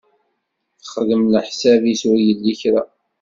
Texdem leḥsab-is ur yelli kra.